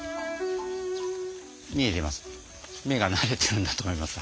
見えてます。